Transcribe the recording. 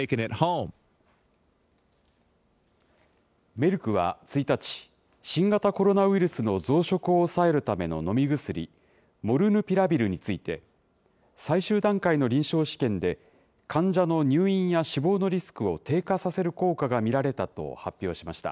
メルクは１日、新型コロナウイルスの増殖を抑えるための飲み薬、モルヌピラビルについて、最終段階の臨床試験で、患者の入院や死亡のリスクを低下させる効果が見られたと発表しました。